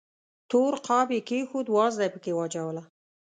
تور قاب یې کېښود، وازده یې پکې واچوله.